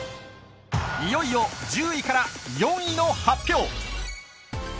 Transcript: いよいよ１０位から４位の発表。